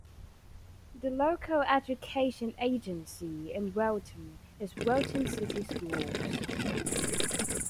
The local education agency in Weldon is Weldon City Schools.